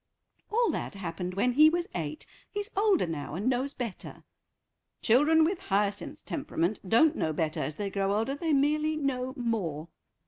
"All that happened when he was eight; he's older now and knows better." "Children with Hyacinth's temperament don't know better as they grow older; they merely know more."